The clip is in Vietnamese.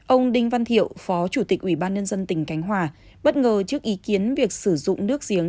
ông đinh văn thiệu phó chủ tịch ủy ban nhân dân tỉnh cánh hòa bất ngờ trước ý kiến việc sử dụng nước giếng